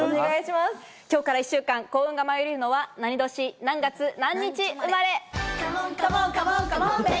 今日から１週間幸運が舞い降りるのは、何年、何月、何日生まれ？